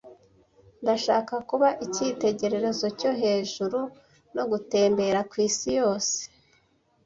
Ndashaka kuba icyitegererezo cyo hejuru no gutembera kwisi yose.